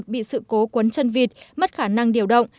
bị sự cố cuốn chân vịt mất khả năng điều động